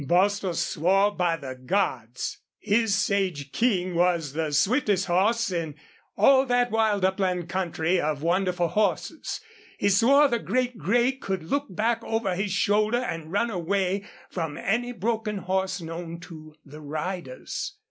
Bostil swore by the gods his Sage King was the swiftest horse in all that wild upland country of wonderful horses. He swore the great gray could look back over his shoulder and run away from any broken horse known to the riders.